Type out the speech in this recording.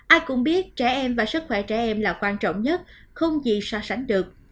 ai cũng biết trẻ em và sức khỏe trẻ em là quan trọng nhất không gì so sánh được